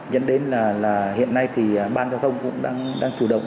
dẫn đến là hiện nay thì ban giao thông cũng đang chủ động